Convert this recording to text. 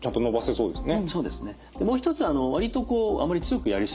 そうですね。